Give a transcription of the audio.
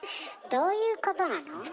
「どういうことなの？」。